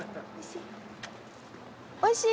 おいしい？